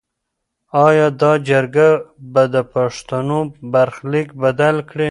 ایا دا جرګه به د پښتنو برخلیک بدل کړي؟